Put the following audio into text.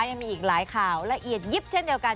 ยังมีอีกหลายข่าวละเอียดยิบเช่นเดียวกัน